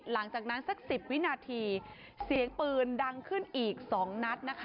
หลังจากนั้นสัก๑๐วินาทีเสียงปืนดังขึ้นอีก๒นัดนะคะ